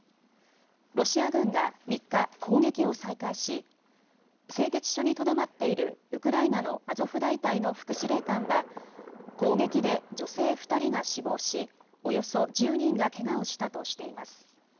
ロシア軍が３日、攻撃を再開し製鉄所にとどまっているウクライナのアゾフ大隊の副司令官は攻撃で女性２人が死亡し、およそ１０人がけがをしたとしています。